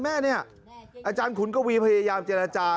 แม่เนี่ยอาจารย์ขุนกวีพยายามเจรจา